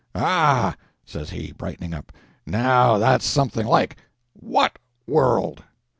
"Ah," says he, brightening up, "now that's something like! What world?"